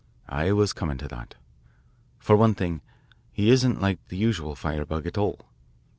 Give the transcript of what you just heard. "I was coming to that. For one thing, he isn't like the usual firebug at all.